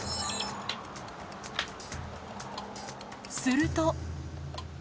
すると。